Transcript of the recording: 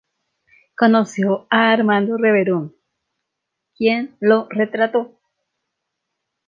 Conoció a Armando Reverón, quien lo retrató.